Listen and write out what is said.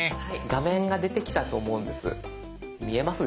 画面が出てきたと思うんです。